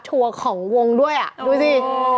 ทัวร์ของวงด้วยอ่ะดูสิ